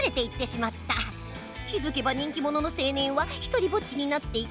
気付けば人気者の青年は独りぼっちになっていた」。